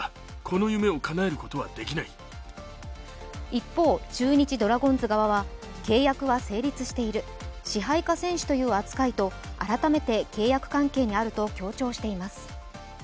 一方、中日ドラゴンズ側は契約は成立している支配下選手という扱いと改めて契約関係にあると強調しています。